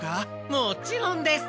もちろんです！